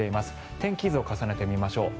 天気図を重ねてみましょう。